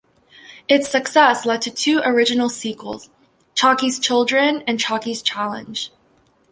Its success led to two original sequels: "Chocky's Children" and "Chocky's Challenge".